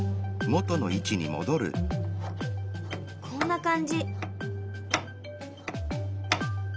こんな感じ。